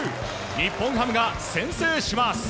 日本ハムが先制します。